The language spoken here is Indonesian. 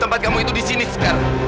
tempat kamu itu di sini sekarang